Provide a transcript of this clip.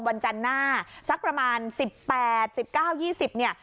วันจันทร์หน้าสักประมาณสิบแปดสิบเก้ายี่สิบเนี้ย